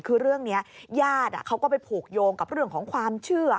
คือเรื่องนี้ญาติเขาก็ไปผูกโยงกับเรื่องของความเชื่อ